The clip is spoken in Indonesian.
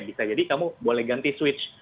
bisa jadi kamu boleh ganti switch